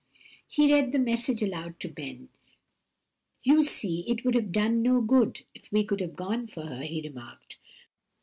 He read the message aloud to Ben. "You see it would have done no good if we could have gone for her," he remarked.